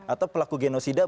atau pelaku genosida